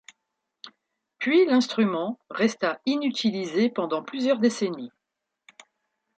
Puis l’instrument resta inutilisé pendant plusieurs décennies.